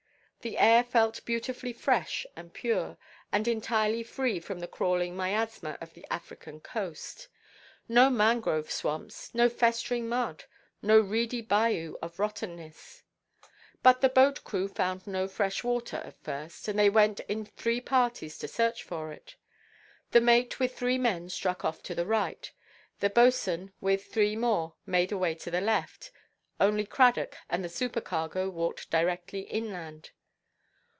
The air felt beautifully fresh and pure, and entirely free from the crawling miasma of the African coast. No mangrove swamps, no festering mud, no reedy bayou of rottenness. But the boat–crew found no fresh water at first; and they went in three parties to search for it. The mate with three men struck off to the right, the boatswain with three more made away to the left, only Cradock and the supercargo walked directly inland.